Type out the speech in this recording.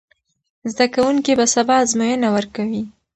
زده کوونکي به سبا ازموینه ورکوي.